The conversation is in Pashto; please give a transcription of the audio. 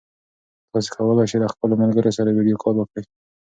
تاسي کولای شئ له خپلو ملګرو سره ویډیو کال وکړئ.